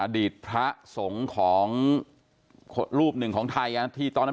อดีตพระสงฆ์ของรูปหนึ่งของไทยที่ตอนนั้น